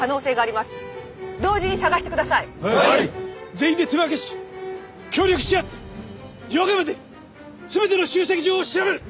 全員で手分けし協力し合って夜明けまでに全ての集積所を調べる！